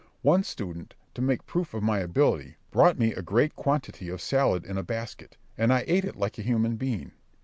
One student, to make proof of my ability, brought me a great quantity of salad in a basket, and I ate it like a human being.